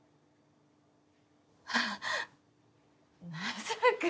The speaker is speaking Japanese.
あははっまさか。